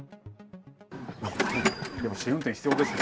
試運転が必要ですね。